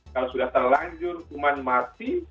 kalau sudah terlanjur hukuman mati